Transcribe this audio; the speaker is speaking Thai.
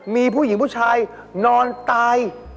มีผู้หญิงผู้ชายนอนตาย